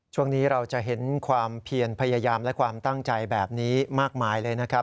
ช่วงนี้เราจะเห็นความเพียรพยายามและความตั้งใจแบบนี้มากมายเลยนะครับ